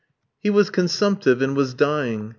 He was consumptive, and was dying.